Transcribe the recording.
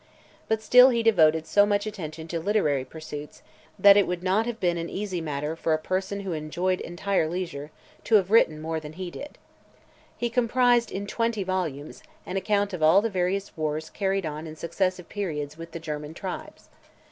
But still he devoted so much attention to literary pursuits, that it would not have been an easy matter for a person who enjoyed entire leisure to have written more than he did. He comprised, in twenty volumes, an account of all the various wars carried on in successive periods with the German tribes.